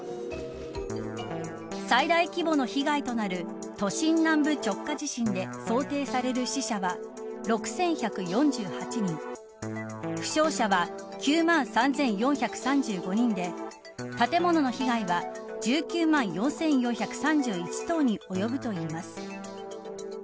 最大規模の被害となる都心南部直下地震で想定される死者は６１４８人負傷者は９万３４３５人で建物の被害は１９万４４３１棟に及ぶといいます。